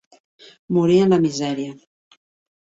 Morí en la misèria.